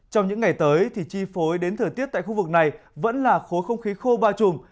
trong những ngày tới thì chi phối đến thời tiết tại khu vực này vẫn là khối không khí khô bao trùm